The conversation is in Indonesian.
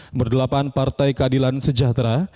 nomor delapan partai keadilan sejahtera